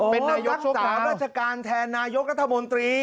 เป็นนายกโชคราวตั้งสามราชการแทนนายกกับกระธมนตรี